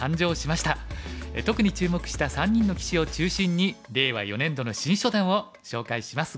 特に注目した３人の棋士を中心に令和四年度の新初段を紹介します。